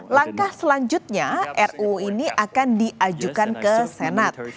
langkah selanjutnya ruu ini akan diajukan ke senat